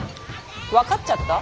分かっちゃった？